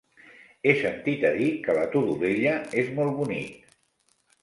He sentit a dir que la Todolella és molt bonic.